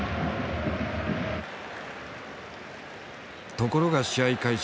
ところが試合開始